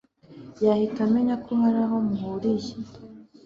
yahita amenya ko haraho muhuriye